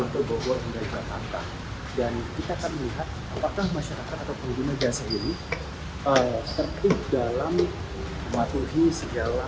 dan kita akan melihat apakah masyarakat atau pengguna jasa ini dalam matuhi segala